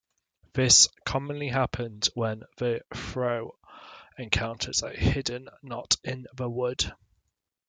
This commonly happens when the froe encounters a hidden knot in the wood.